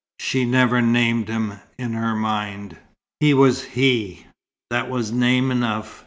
She never named him in her mind. He was "he": that was name enough.